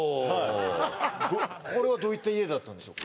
これはどういった家だったんでしょう